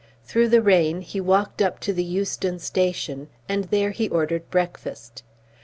Through the rain he walked up to the Euston Station, and there he ordered breakfast.